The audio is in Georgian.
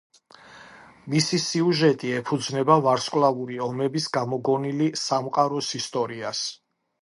მისი სიუჟეტი ეფუძნება ვარსკვლავური ომების გამოგონილი სამყაროს ისტორიას.